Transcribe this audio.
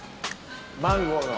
マンゴーの？